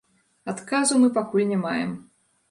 Адказу мы пакуль не маем.